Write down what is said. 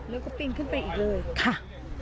แล้วก็ปี่งขึ้นไปอีกเลย